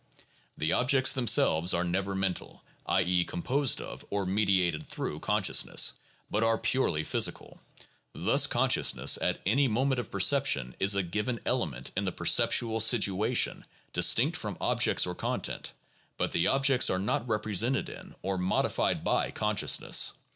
The objects themselves are never mental (i. e., composed of, or mediated through, consciousness), but are purely physical. Thus consciousness at any moment of perception is a given element in the perceptual situation distinct from objects or content; but the objects are not represented in or modified by con sciousness.